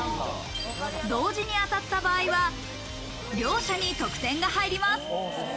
同時に当たった場合は両者に得点が入ります。